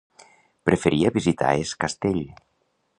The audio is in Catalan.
Preferiria visitar Es Castell.